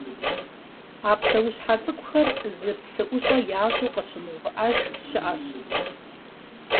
А псэущхьэ цӀыкӀухэр зы псыӀущӀэ ящӀу къыщымыувыӀэж щыӀэщ.